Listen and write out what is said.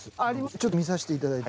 ちょっと見させていただいて。